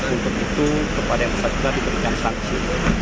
untuk itu kepada yang bersangkutan diberikan sanksi